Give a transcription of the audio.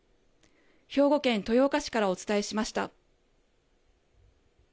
兵庫県豊岡市からお伝えしました。